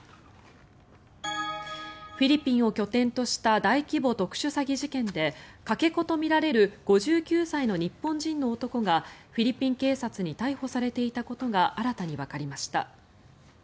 フィリピンを拠点とした大規模特殊詐欺事件でかけ子とみられる５９歳の日本人の男がフィリピン警察に逮捕されていたことが新たにわかりました。